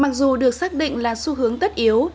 mặc dù được xác định là xu hướng tất yếu